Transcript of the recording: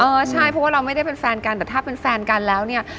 เออใช่เพราะว่าเราไม่ได้เป็นแฟนกันแต่ถ้าเป็นแฟนกันแล้วเนี่ย